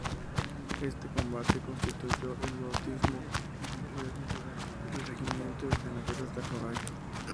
Este combate constituyó el bautismo de fuego del "Regimiento de Granaderos a Caballo".